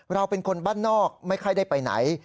เราเป็นคนบ้านนอกไม่ค่อยได้ไปไหน